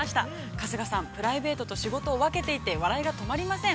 春日さん、プライベートと仕事を分けていて笑いが止まりません。